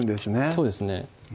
そうですね